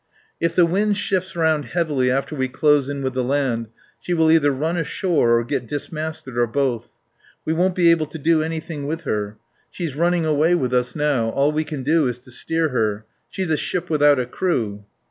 "If the wind shifts round heavily after we close in with the land she will either run ashore or get dismasted or both. We won't be able to do anything with her. She's running away with us now. All we can do is to steer her. She's a ship without a crew."